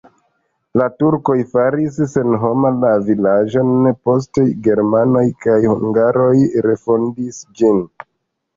La turkoj faris senhoma la vilaĝon, poste germanoj kaj hungaroj refondis ĝin.